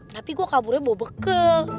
tapi gue kaburnya mau bekel